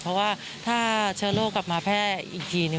เพราะว่าถ้าเชื้อโรคกลับมาแพร่อีกที